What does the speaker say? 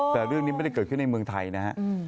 แต่เรื่องนี้ไม่ได้เกิดขึ้นในเมืองไทยนะฮะ